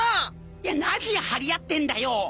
いや何張り合ってんだよ！